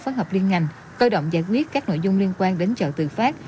phối hợp liên ngành cơ động giải quyết các nội dung liên quan đến chợ tự phát